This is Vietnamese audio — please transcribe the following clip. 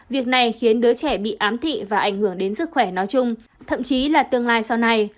việc này khiến đứa trẻ bị ám thị và ảnh hưởng đến sức khỏe nói chung thậm chí là tương lai sau này